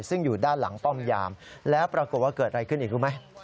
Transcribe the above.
ซึ่งอยู่ด้านหลังป้อมยามแล้วปรากฏว่าเกิดอะไรขึ้นอีกรู้ไหม